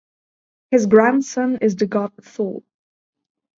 His grandson is the god Thor.